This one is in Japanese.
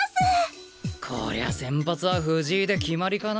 こりゃ先発は藤井で決まりかな？